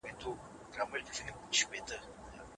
خپل ځان له زړو خوړو وساتئ.